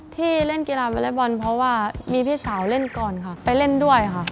ที่เล่นกีฬาวอเล็กบอลเพราะว่ามีพี่สาวเล่นก่อนค่ะไปเล่นด้วยค่ะ